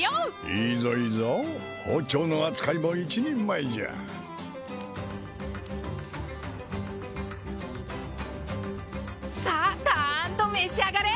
いいぞいいぞ包丁の扱いも一人前じゃさあたんと召し上がれ！